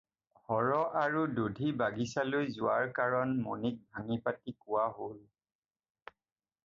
হৰ আৰু দধি বাগিচালৈ যোৱাৰ কাৰণ মণিক ভাঙি-পাতি কোৱা হ'ল।